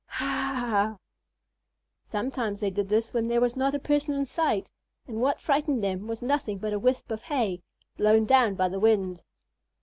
Ha a ah!" Sometimes they did this when there was not a person in sight and what frightened them was nothing but a wisp of hay, blown down by the wind.